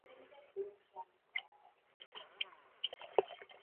邓琬人。